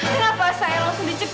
kenapa saya langsung dicekek